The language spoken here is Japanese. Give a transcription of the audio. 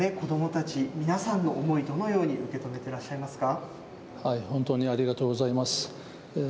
こういった子どもたち、皆さんの思い、どのように受け止めてらっしゃいますか。